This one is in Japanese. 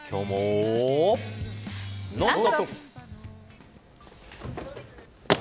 「ノンストップ！」。